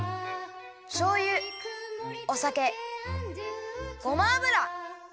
しょうゆおさけごま油